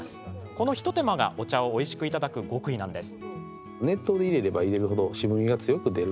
この一手間がお茶をおいしくいただく極意なんです。